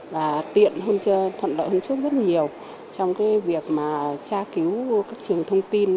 và tiện hơn thuận lợi hơn trước rất nhiều trong cái việc mà tra cứu các trường thông tin